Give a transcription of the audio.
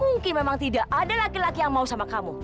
mungkin memang tidak ada laki laki yang mau sama kamu